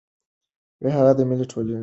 هغه د ملي ټولپوښتنې غوښتنه کړې.